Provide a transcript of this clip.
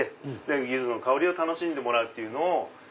ユズの香りを楽しんでもらうっていうのを。